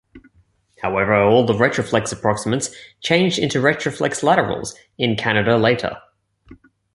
However, all the retroflex approximants changed into retroflex laterals in Kannada later.